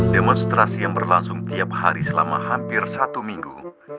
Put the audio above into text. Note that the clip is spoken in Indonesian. demonstrasi yang berlangsung tiap hari selama hampir satu minggu